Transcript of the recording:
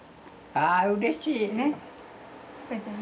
ああうれしい。